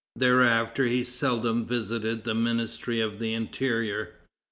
Thereafter he seldom visited the Ministry of the Interior.